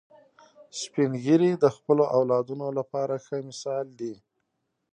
سپین ږیری د خپلو اولادونو لپاره ښه مثال دي